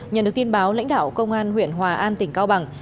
nhận được tin báo lãnh đạo công an huyện hòa an tỉnh cao bằng